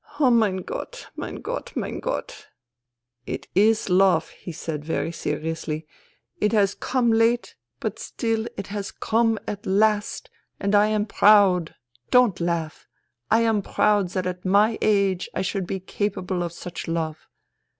' mein Gott, mein Gott, mein Gott !'"' It is love,' he said very seriously. ' It has come late, but still it has come at last, and I am proud — don't laugh — I am proud that at my age I should be capable of such love.